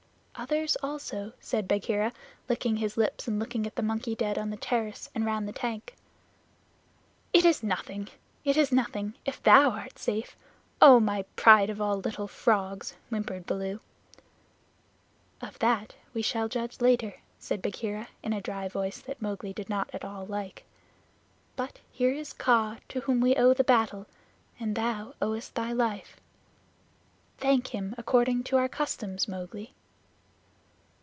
"Others also," said Bagheera, licking his lips and looking at the monkey dead on the terrace and round the tank. "It is nothing, it is nothing, if thou art safe, oh, my pride of all little frogs!" whimpered Baloo. "Of that we shall judge later," said Bagheera, in a dry voice that Mowgli did not at all like. "But here is Kaa to whom we owe the battle and thou owest thy life. Thank him according to our customs, Mowgli."